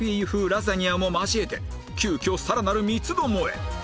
ラザニアも交えて急きょさらなる三つ巴！